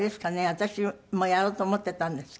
私もやろうと思っていたんですけど。